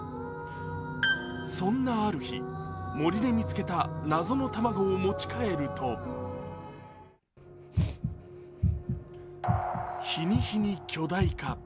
そんなある日、森で見つけた謎の卵を持ち帰ると日に日に巨大化。